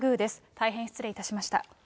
大変失礼いたしました。